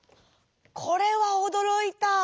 これはおどろいた。